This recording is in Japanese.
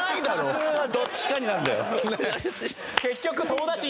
普通はどっちかになるんだよ。